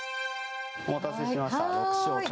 お待たせしました。